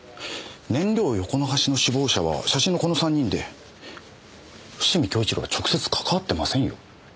燃料横流しの首謀者は写真のこの３人で伏見亨一良は直接関わってませんよ。